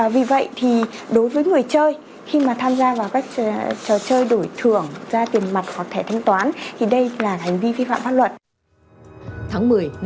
vì vậy thì đối với người chơi khi mà tham gia vào các trò chơi đổi thưởng ra tiền mặt hoặc thẻ thanh toán thì đây là hành vi vi phạm pháp luật